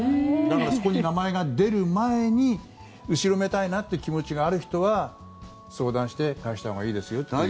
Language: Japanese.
だからそこに名前が出る前に後ろめたいなっていう気持ちがある人は相談して返したほうがいいですよっていう。